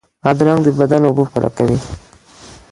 بادرنګ د بدن اوبه پوره کوي.